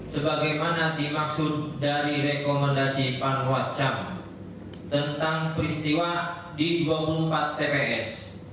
sebagaimana dimaksud dari rekomendasi panwascam tentang peristiwa di dua puluh empat tps